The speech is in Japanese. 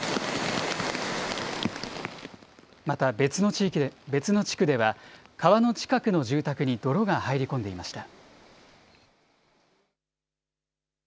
また別の地区では、川の近くの住宅に泥が入り込んでいました。